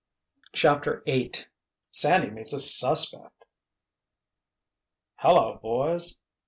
CHAPTER VIII SANDY MEETS A "SUSPECT" "Hello, boys!"